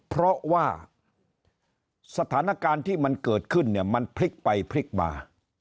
เพราะว่าสถานการณ์ที่มันเกิดขึ้นเนี่ยมันพลิกไปพลิกมา